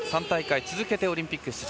３大会続けてオリンピック